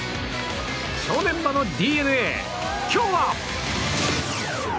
正念場のＤｅＮＡ、今日は。